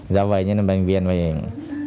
do vậy nên là bệnh viện phải tâm soát